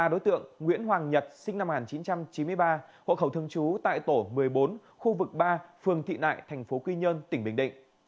đối tượng nguyễn hoàng nhật sinh năm một nghìn chín trăm chín mươi ba hộ khẩu thương chú tại tổ một mươi bốn khu vực ba phường thị nại thành phố quy nhơn tỉnh bình định